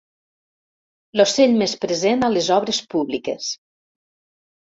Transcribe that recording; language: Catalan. L'ocell més present a les obres públiques.